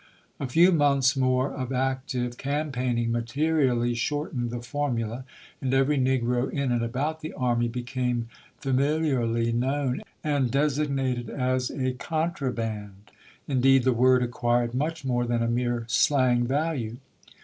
A few months more of active cam paigning materially shortened the formula, and every negro in and about the army became famil iarly known and designated as a "contraband." Indeed the word acquired much more than a mere slang value.